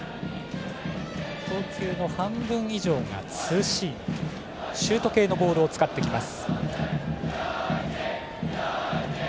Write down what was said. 投球の半分以上がツーシームシュート系のボールを使います。